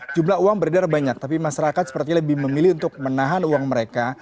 jumlah uang beredar banyak tapi masyarakat sepertinya lebih memilih untuk menahan uang mereka